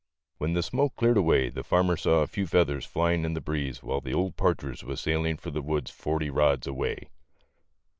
When the smoke cleared away, the farmer saw a few feathers flying in the breeze, while the old partridge was sailing for the woods forty rods away.